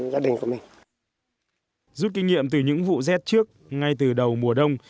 rút kinh nghiệm từ những vụ rét trước ngay từ đầu mùa đông